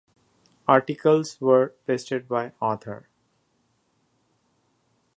Articles were listed by author.